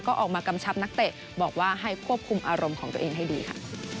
ก็ออกมากำชับนักเตะบอกว่าให้ควบคุมอารมณ์ของตัวเองให้ดีค่ะ